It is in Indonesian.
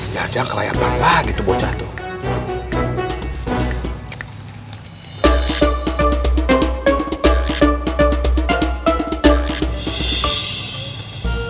jajang kelayapan lah gitu bocah tuh